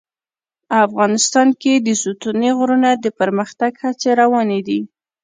افغانستان کې د ستوني غرونه د پرمختګ هڅې روانې دي.